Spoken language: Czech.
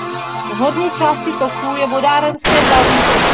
V horní části toku je vodárenské zařízení.